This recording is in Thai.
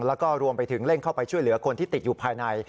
แล้วก็รวมไปถึงเร่งเข้าไปช่วยเหลือคนที่ติดอยู่ภายใน